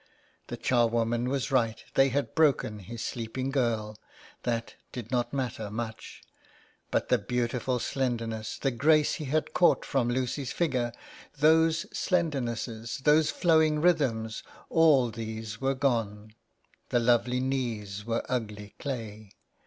The charwoman was right, they had broken his sleeping girl : that did not matter much ; but the beautiful slenderness, the grace he had caught from Lucy's figure — those slendernesses, those flowing rhythms, all these were gone ; the lovely knees were ugly clay.